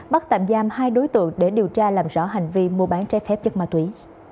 bắt tạm giam hai đối tượng để điều tra làm rõ hành vi mua bán trái phép chất ma túy